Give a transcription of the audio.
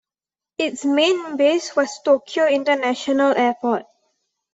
Its main base was Tokyo International Airport.